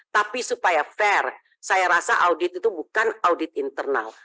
tapi supaya fair saya rasa audit itu bukan audit internal